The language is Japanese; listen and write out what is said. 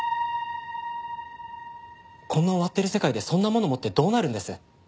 こんな終わってる世界でそんなもの持ってどうなるんです？